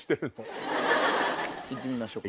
いってみましょうか。